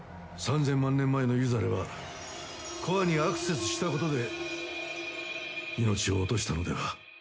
３，０００万年前のユザレはコアにアクセスしたことで命を落としたのでは？